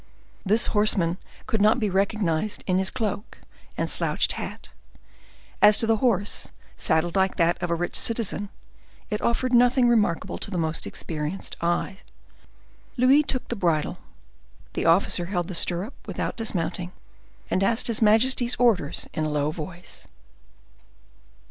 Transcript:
This horseman could not be recognized in his cloak and slouched hat. As to the horse, saddled like that of a rich citizen, it offered nothing remarkable to the most experienced eye. Louis took the bridle: the officer held the stirrup without dismounting, and asked his majesty's orders in a low voice.